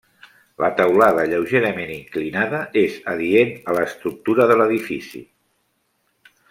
La teulada lleugerament inclinada és adient a l'estructura de l'edifici.